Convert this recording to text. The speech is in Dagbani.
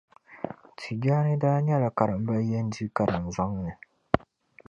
Tijaani daa nyɛla karimbaYendi karinzoŋ ni.